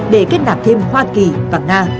để kết nạp thêm hoa kỳ và nga